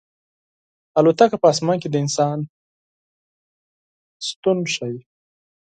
الوتکه په اسمان کې د انسان شتون ښيي.